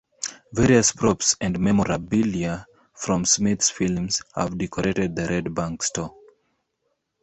Various props and memorabilia from Smith's films have decorated the Red Bank store.